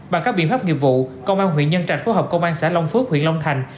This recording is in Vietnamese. bằng các biện pháp nghiệp vụ công an huyện nhân trạch phối hợp công an xã long phước huyện long thành